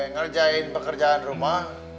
ngerjain pekerjaan rumah